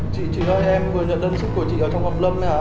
chị ơi em vừa nhận đơn sức của chị ở trong hộp lâm này à